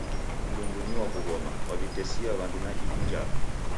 Mlungu ni wa w'ughoma waw'iatesia w'andu na ihi njala.